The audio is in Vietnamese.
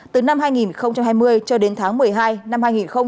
từ năm hai nghìn hai mươi cho đến tháng một mươi hai năm hai nghìn hai mươi